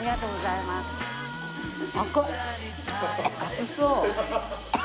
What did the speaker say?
熱そう。